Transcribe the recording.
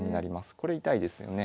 これ痛いですよね。